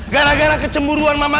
gara gara kecemburuan mama